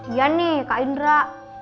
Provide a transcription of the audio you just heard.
iya nih kak indra